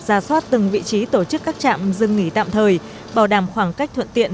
ra soát từng vị trí tổ chức các trạm dừng nghỉ tạm thời bảo đảm khoảng cách thuận tiện